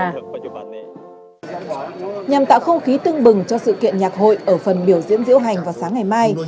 nhằm tạo không khí tưng bừng cho sự kiện nhạc hội ở phần biểu diễn diễu hành vào sáng ngày mai